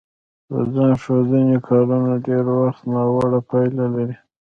د ځان ښودنې کارونه ډېری وخت ناوړه پایله لري